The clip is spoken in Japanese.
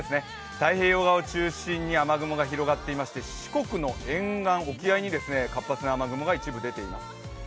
太平洋側を中心に雨雲が広がっていまして四国の沿岸、沖合に活発な雨雲が一部出ています。